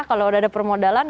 kalau udah ada permodalannya